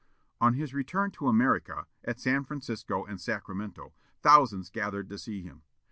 On his return to America, at San Francisco and Sacramento, thousands gathered to see him.